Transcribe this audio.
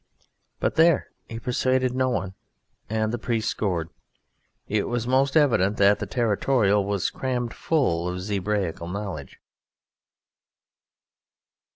But there! He persuaded no one, and the priest scored. It was most evident that the Territorial was crammed full of zebraical knowledge.